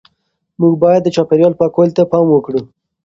موږ باید د چاپیریال پاکوالي ته پام وکړو.